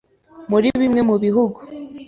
Muri bimwe mu bihugu,